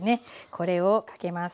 これをかけます。